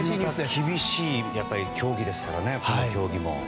厳しい競技ですからねこの競技も。